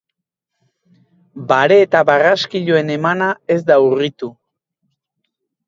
Bare eta barraskiloen emana ez da urritu.